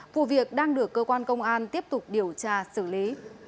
vụ việc đang được cơ quan công an tiếp tục điều tra xử lý